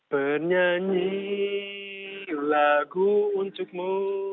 bernyanyi lagu untukmu